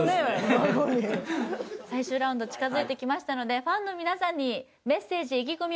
孫にそうですね最終ラウンド近づいてきましたのでファンの皆さんにメッセージ意気込み